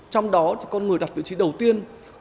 trong đó con người đặt vị trí đầu tiên